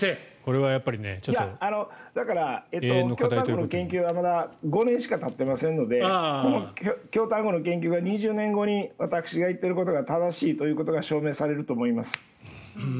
いや、だから京丹後の研究は５年しかたっていませんので京丹後の研究が２０年後に私が言っていることが正しいということが証明されると思います。